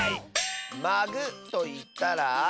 「まぐ」といったら。